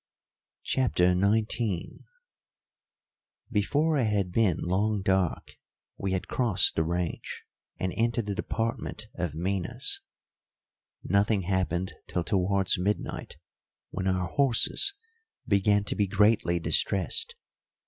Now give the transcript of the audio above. CHAPTER XIX Before it had been long dark, we had crossed the range and into the department of Minas. Nothing happened till towards midnight, when our horses began to be greatly distressed.